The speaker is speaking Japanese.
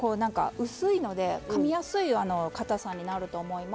薄いので、かみやすいかたさになると思います。